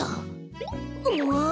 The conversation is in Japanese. うわ！